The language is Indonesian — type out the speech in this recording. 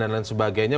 dan lain sebagainya